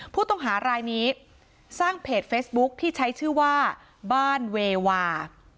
ผู้ต้องหารายนี้สร้างเพจเฟซบุ๊คที่ใช้ชื่อว่าบ้านเววา